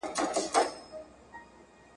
چا په ساندو چا په سرو اوښکو ژړله